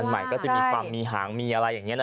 ใหม่ก็จะมีความมีหางมีอะไรอย่างนี้นะ